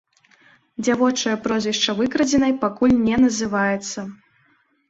Дзявочае прозвішча выкрадзенай пакуль не называецца.